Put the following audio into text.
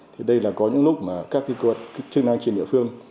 thì đây là có những lúc mà các cơ quan chức năng trên địa phương